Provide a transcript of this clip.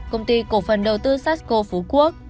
công ty cổ phần tnh hạ long